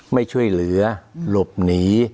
ไม่ช่วยเหลือหลบหนี